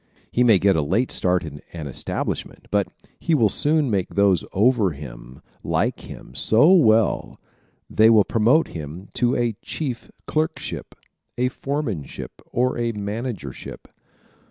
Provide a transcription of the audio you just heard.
He may get a late start in an establishment but he will soon make those over him like him so well they will promote him to a chief clerkship, a foremanship or a managership.